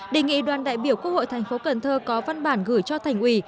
đề nghị đoàn đại biểu quốc hội thành phố cần thơ có văn bản gửi cho thành ủy